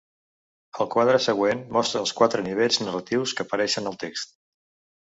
El quadre següent mostra els quatre nivells narratius que apareixen al text.